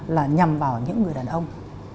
là nhầm vào những người đàn ông